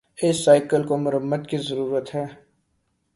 اس cycle کو مرمت کی ضرورت ہے